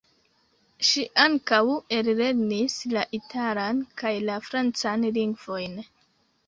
Ŝi ankaŭ ellernis la italan kaj la francan lingvojn.